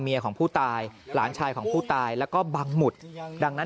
ของผู้ตายหลานชายของผู้ตายแล้วก็บังหมุดดังนั้น